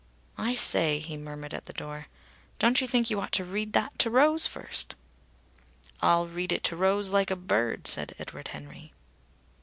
"I say," he murmured at the door. "Don't you think you ought to read that to Rose first?" "I'll read it to Rose like a bird," said Edward Henry.